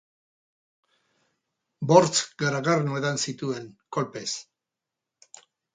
Bortz garagarno edan zituen, kolpez.